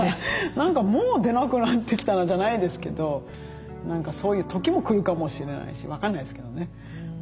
何かもう出なくなってきたなじゃないですけど何かそういう時も来るかもしれないし分かんないですけどね。